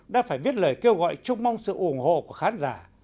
đã phải viết lời kêu gọi chúc mong sự ủng hộ của khán giả